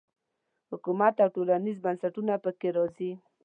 حکومت او ټولنیز بنسټونه په کې راځي.